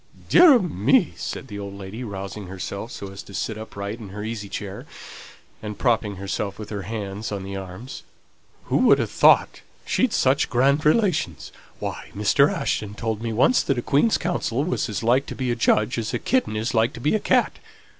"Dear ah me!" said the old lady, rousing herself so as to sit upright in her easy chair, and propping herself with her hands on the arms; "who would ha' thought she'd such grand relations! Why, Mr. Ashton told me once that a Queen's counsel was as like to be a judge as a kitten is like to be a cat.